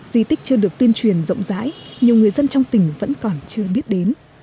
di tích chưa được tuyên truyền rộng rãi nhiều người dân trong tỉnh vẫn còn chưa biết đến